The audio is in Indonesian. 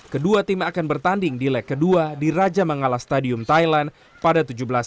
kedua tim akan bertanding di leg kedua di raja mangala stadium thailand pada tujuh belas